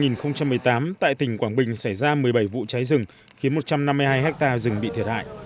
năm hai nghìn một mươi tám tại tỉnh quảng bình xảy ra một mươi bảy vụ cháy rừng khiến một trăm năm mươi hai hectare rừng bị thiệt hại